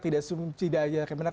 tidak hanya di kemenag